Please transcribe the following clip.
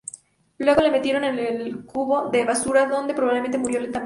Luego la metieron en un cubo de basura, donde probablemente murió lentamente.